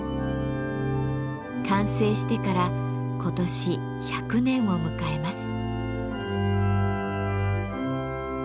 完成してから今年１００年を迎えます。